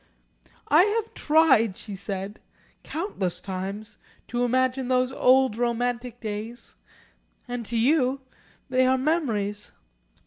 "I have tried," she said, "countless times to imagine those old romantic days. And to you they are memories.